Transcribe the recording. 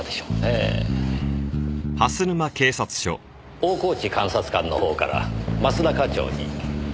大河内監察官の方から益田課長に。